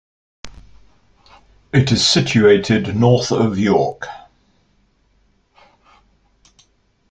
It is situated north of York.